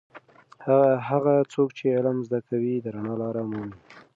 هغه څوک چې علم زده کوي د رڼا لاره مومي.